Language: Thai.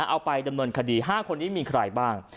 เอาไปดำเนินคดี๕คนนี้มีใครบ้าง